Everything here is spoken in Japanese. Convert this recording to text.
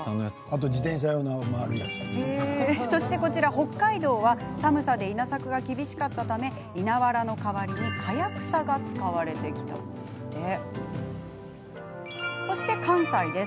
北海道は寒さで稲作が厳しかったため稲わらの代わりに、かや草が使われてきたんだそうです。